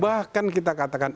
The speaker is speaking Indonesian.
bahkan kita katakan